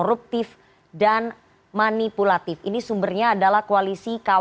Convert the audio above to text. beberapa nomor pembelaan zorja akan menunjukkan kecurangan kulit barang barang kegagalan dan kararti kerhatian